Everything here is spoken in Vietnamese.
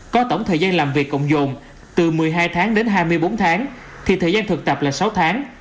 có tổng thời gian làm việc cộng dồn từ một mươi hai tháng đến hai mươi bốn tháng thì thời gian thực tập là sáu tháng